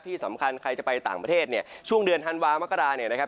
ที่สำคัญใครจะไปต่างประเทศเนี่ยช่วงเดือนธันวามกราเนี่ยนะครับ